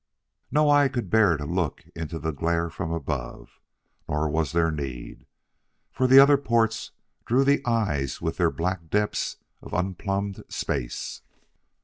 No eye could bear to look into the glare from above; nor was there need, for the other ports drew the eyes with their black depths of unplumbed space.